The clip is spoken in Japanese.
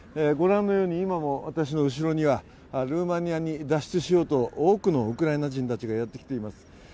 ご覧のように今も私の後ろにはルーマニアに脱出しようと多くのウクライナ人たちがやってきています。